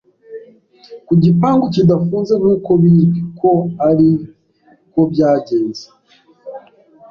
ku gipangu kidafunze nkuko bizwi ko ari ko byagenze